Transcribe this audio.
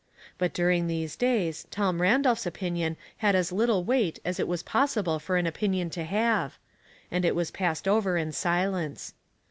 But during these days Tom Randolph's opinion had as little weight as it was possible for an opinion to have, and it was passed over in silence.